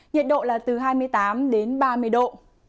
nhiệt độ là từ hai mươi tám đến ba mươi độ